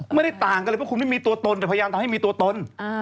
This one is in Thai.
ไม่ได้ต่างกันเลยเพราะคุณไม่มีตัวตนแต่พยายามทำให้มีตัวตน